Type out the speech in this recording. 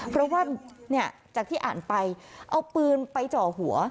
เพราะว่าจากที่อ่านไปเอาปืนไปเจาะหัว